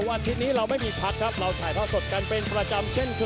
เสาร์อันพรีชนี้เราไม่มีพักครับเราถ่ายภาพสดการเป็นประจำเช่นเคย